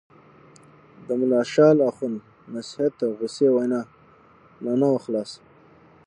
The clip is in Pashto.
د ملا شال اخُند نصیحت او غوسې وینا لا نه وه خلاصه.